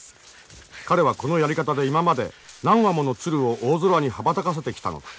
彼はこのやり方で今まで何羽もの鶴を大空に羽ばたかせてきたのだ。